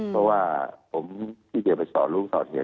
เพราะว่าผมที่จะไปสอนลูกตอนนี้